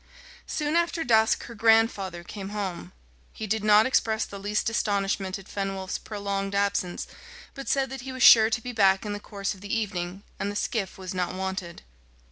Soon after dusk her grandfather came home. He did not express the least astonishment at Fenwolf's prolonged absence, but said that he was sure to be back in the course of the evening, and the skiff was not wanted.